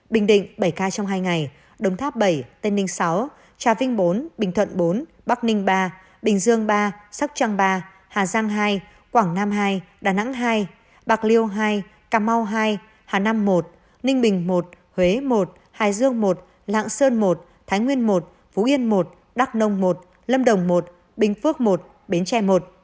bình định bảy ca trong hai ngày đồng tháp bảy tên ninh sáu trà vinh bốn bình thuận bốn bắc ninh ba bình dương ba sắc trăng ba hà giang hai quảng nam hai đà nẵng hai bạc liêu hai cà mau hai hà nam một ninh bình một huế một hải dương một lạng sơn một thái nguyên một phú yên một đắk nông một lâm đồng một bình phước một bến tre một